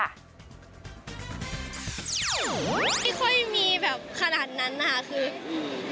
ไม่ค่อยมีแบบขนาดนั้นค่ะคือ